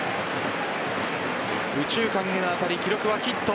右中間への当たり記録はヒット。